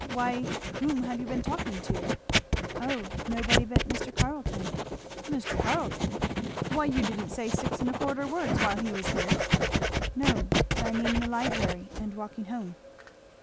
why whom have you been talking to?" "O, nobody but Mr. Carleton." "Mr. Carleton! why you didn't say six and a quarter words while he was here." "No, but I mean in the library, and walking home."